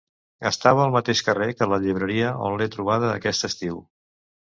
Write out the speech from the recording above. Estava al mateix carrer que la llibreria on l'he trobada aquest estiu.